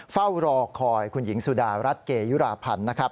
เฝ้ารอคอยคุณหญิงสุดารัฐเกยุราพันธ์นะครับ